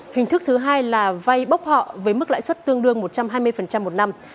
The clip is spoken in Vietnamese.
hình thức thứ hai là vay bốc họ với mức lãi suất tương đương một trăm hai mươi một năm